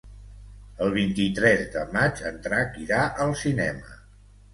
El vint-i-tres de maig en Drac irà al cinema.